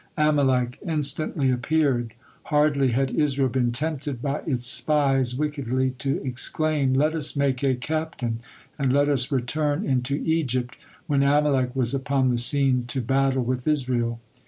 Amalek instantly appeared. Hardly had Israel been tempted by its spies wickedly to exclaim, "Let us make a captain, and let us return into Egypt," when Amalek was upon the scene to battle with Israel.